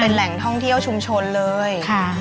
เป็นแหล่งท่องเที่ยวชุมชนเลย